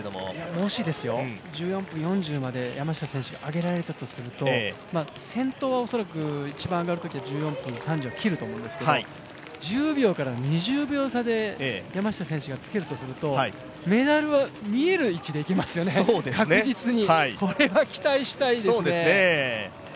もし１４分４０まで山下選手が上げられたとすると、先頭は恐らく一番上がるときは１４分３０を切ると思いますけど、１０秒から２０秒差で山下選手がつけるとするとメダルは見える位置にいけますよね、確実に。